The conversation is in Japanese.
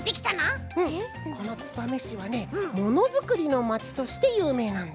うんこの燕市はねものづくりのまちとしてゆうめいなんだ。